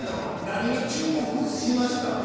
何に注目しました。